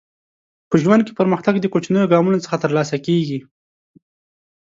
په ژوند کې پرمختګ د کوچنیو ګامونو څخه ترلاسه کیږي.